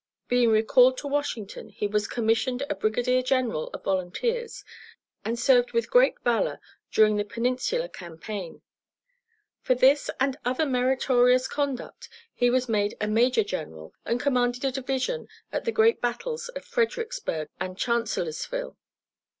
Being recalled to Washington, he was commissioned a brigadier general of volunteers, and served with great valor during the Peninsula campaign. For this and other meritorious conduct he was made a major general, and commanded a division at the great battles of Fredericksburg and Chancellorsville.